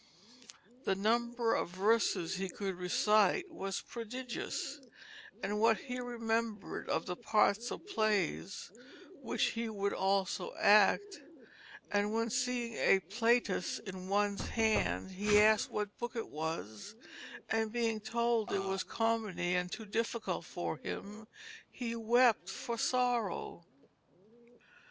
The number of verses he could recite was prodigious, and what he remembered of the parts of plays which he would also act; and, when seeing a Plautus in one's hand, he asked what book it was, and being told it was comedy and too difficult for him, he wept for sorrow.